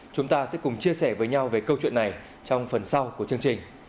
chúng ta sẽ cùng chia sẻ với nhau về câu chuyện này trong phần sau của chương trình